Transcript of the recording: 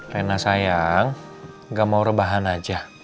reyna sayang gak mau rebahan aja